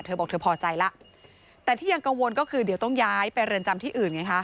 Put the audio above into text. เธอบอกเธอพอใจแล้วแต่ที่ยังกังวลก็คือเดี๋ยวต้องย้ายไปเรือนจำที่อื่นไงคะ